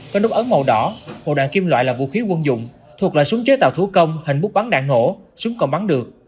có nút ấn màu đỏ một đoạn kim loại là vũ khí quân dụng thuộc loại súng chế tạo thú công hình bút bắn đạn hổ súng còn bắn được